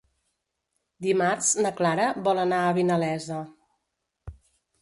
Dimarts na Clara vol anar a Vinalesa.